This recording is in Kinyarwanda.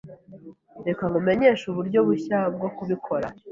Reka nkumenyeshe uburyo bushya bwo kubikora.